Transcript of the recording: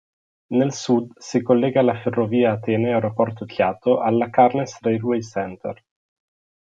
Nel sud, si collega alla ferrovia Atene Aeroporto-Kiato all'Acharnes Railway Centre.